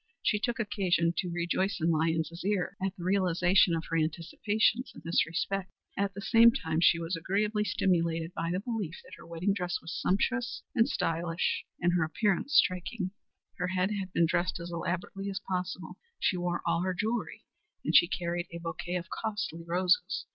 She took occasion to rejoice in Lyons's ear at the realization of her anticipations in this respect. At the same time she was agreeably stimulated by the belief that her wedding dress was sumptuous and stylish, and her appearance striking. Her hair had been dressed as elaborately as possible; she wore all her jewelry; and she carried a bouquet of costly roses.